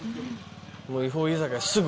もう違法居酒屋すぐ。